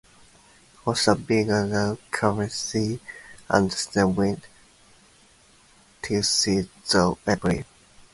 Off the Virginia Capes, she underwent tests through April.